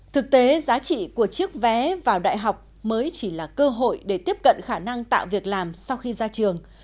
thực tế giá trị của chiếc vé vào đại học mới chỉ là cơ hội để tiếp cận khả năng tạo việc làm sau khi ra trường